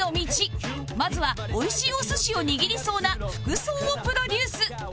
まずはおいしいお寿司を握りそうな服装をプロデュース